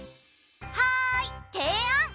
はいていあん！